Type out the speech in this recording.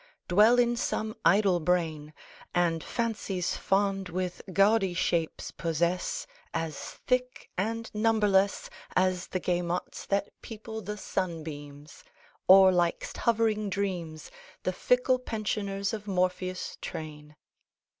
Dwell in some idle brain, ............And fancies fond with gaudy shapes possess, As thick and numberless ............As the gay motes that people the sun beams, Or likest hovering dreams, ............The fickle pensioners of Morpheus' train.